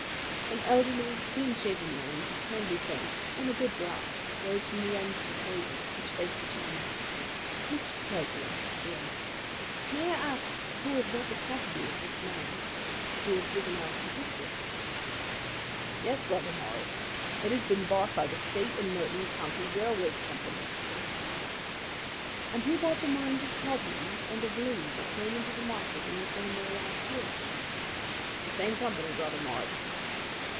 An elderly, clean shaved man with a kindly face and a good brow rose from the end of the table which faced the chairman. "Mr. Treasurer," he asked, "may I ask who has bought the property of this man that we have driven out of the district?" "Yes, Brother Morris. It has been bought by the State & Merton County Railroad Company." "And who bought the mines of Todman and of Lee that came into the market in the same way last year?" "The same company, Brother Morris."